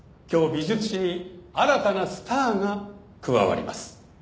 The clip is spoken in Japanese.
今日美術史に新たなスターが加わります。